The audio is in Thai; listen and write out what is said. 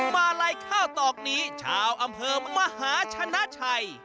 มาลัยข้าวตอกนี้ชาวอำเภอมหาชนะชัย